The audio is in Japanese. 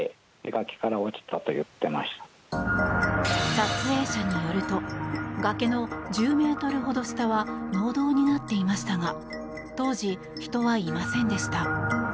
撮影者によると崖の１０ｍほど下は農道になっていましたが当時、人はいませんでした。